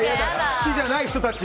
好きじゃない人たち。